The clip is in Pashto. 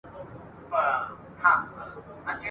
هر وګړی پر فطرت وي زېږېدلی ..